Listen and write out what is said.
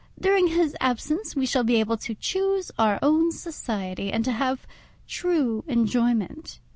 During his absence we shall be able to chuse our own society, and to have true enjoyment.